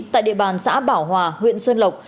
tại địa bàn xã bảo hòa huyện xuân lộc